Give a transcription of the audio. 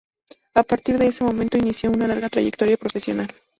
A partir de ese momento, inició una larga trayectoria profesional.